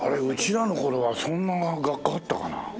うちらの頃はそんな学科あったかな？